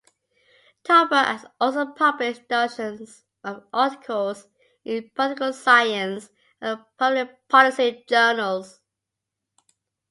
Tolbert has also published dozens of articles in political science and public policy journals.